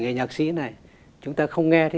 người nhạc sĩ này chúng ta không nghe